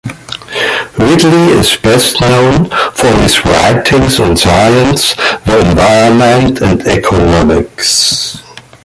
Ridley is best known for his writings on science, the environment, and economics.